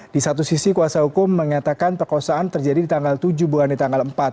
di satu sisi kuasa hukum mengatakan perkosaan terjadi di tanggal tujuh bukan di tanggal empat